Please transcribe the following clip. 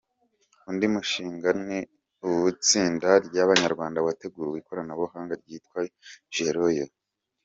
Undi mushinga ni uw’itsinda ry’abanyarwanda wateguye ikoranabuhanga ryitwa ‘Gerayo’.